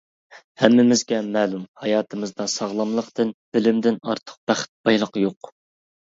ھەممىمىزگە مەلۇم، ھاياتىمىزدا ساغلاملىقتىن، بىلىمدىن ئارتۇق بەخت، بايلىق يوق.